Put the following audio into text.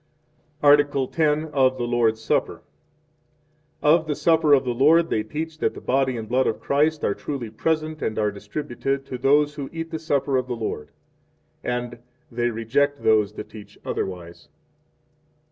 Article X. Of the Lord's Supper. 1 Of the Supper of the Lord they teach that the Body and Blood of Christ are truly present, and are distributed 2 to those who eat the Supper of the Lord; and they reject those that teach otherwise.